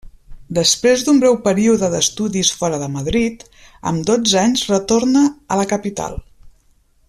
Després d'un breu període d'estudis fora de Madrid, amb dotze anys retorna a la capital.